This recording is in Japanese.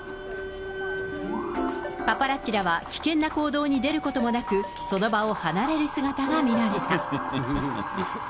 パパラッチらは危険な行動に出ることもなく、その場を離れる姿が見られた。